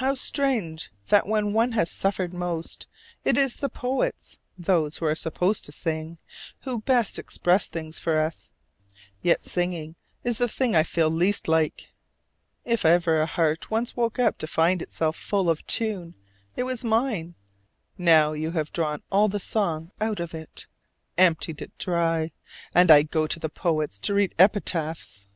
How strange that when one has suffered most, it is the poets (those who are supposed to sing) who best express things for us. Yet singing is the thing I feel least like. If ever a heart once woke up to find itself full of tune, it was mine; now you have drawn all the song out of it, emptied it dry: and I go to the poets to read epitaphs.